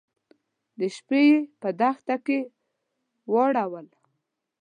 د شپې يې په دښته کې واړول.